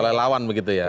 relawan begitu ya